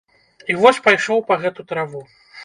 І вось пайшоў па гэту траву.